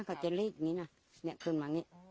เขาจะลีดอย่างนี้นะเนี่ยขึ้นมานี้